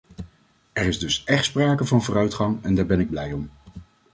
Er is dus echt sprake van vooruitgang en daar ben ik blij om.